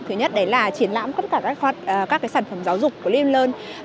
thứ nhất là triển lãm các sản phẩm giáo dục của liêm lơn